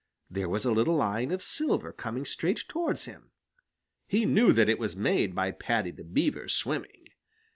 There was a little line of silver coming straight towards him. He knew that it was made by Paddy the Beaver swimming.